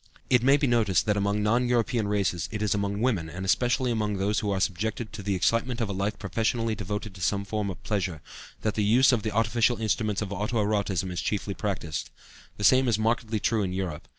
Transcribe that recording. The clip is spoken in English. It may be noticed that among non European races it is among women, and especially among those who are subjected to the excitement of a life professionally devoted to some form of pleasure, that the use of the artificial instruments of auto erotism is chiefly practiced. The same is markedly true in Europe.